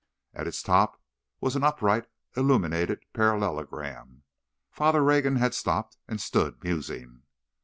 At its top was an upright, illuminated parallelogram. Father Rogan had stopped, and stood, musing.